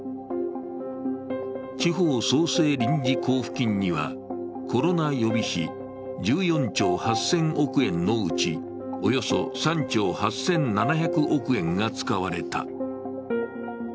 地方創生臨時交付金には、コロナ予備費１４兆８０００億円のうちおよそ３兆８７００億円が使われた。